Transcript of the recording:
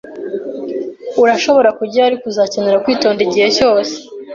Urashobora kujyayo, ariko uzakenera kwitonda igihe cyose.